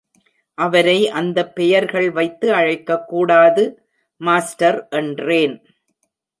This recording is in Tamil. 'அவரை அந்த பெயர்கள் வைத்து அழைக்கக்கூடாது, மாஸ்டர்' என்றேன்.